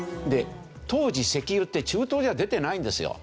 当時石油って中東じゃ出てないんですよ。